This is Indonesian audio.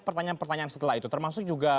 pertanyaan pertanyaan setelah itu termasuk juga